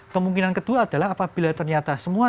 kemungkinan kedua adalah apabila ternyata semua